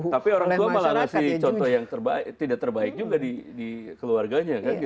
masih malah ngasih contoh yang tidak terbaik juga di keluarganya